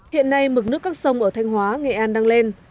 hiện nay mực nước các sông ở thanh hóa nghệ an đang lên